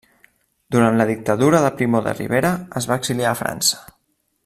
Durant la dictadura de Primo de Rivera es va exiliar a França.